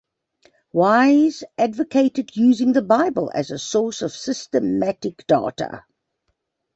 Wise advocated using the Bible as a source of systematic data.